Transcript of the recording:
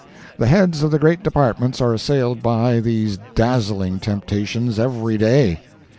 The heads of the great Departments are assailed by these dazzling temptations every day.